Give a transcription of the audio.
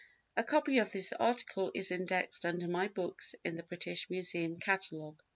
A copy of this article is indexed under my books in the British Museum catalogue."